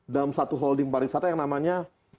dalam satu holding pariwisata yang namanya